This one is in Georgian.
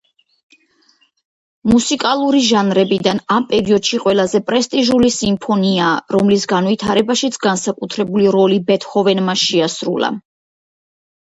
მუსიკალური ჟანრებიდან ამ პერიოდში ყველაზე პრესტიჟული სიმფონიაა, რომლის განვითარებაშიც განსაკუთრებული როლი ბეთჰოვენმა შეასრულა.